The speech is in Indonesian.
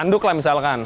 handuk lah misalkan